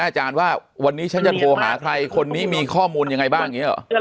อาจารย์ว่าวันนี้ฉันจะโทรหาใครคนนี้มีข้อมูลยังไงบ้าง